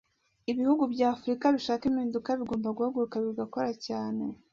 Ibihugu bya Afurika bishaka impinduka bigomba guhaguruka bigakora cyane